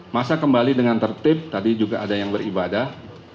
masa kembali dengan tertib tadi juga ada yang beribadah